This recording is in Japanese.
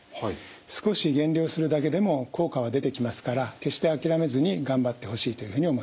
少し減量するだけでも効果は出てきますから決して諦めずに頑張ってほしいというふうに思います。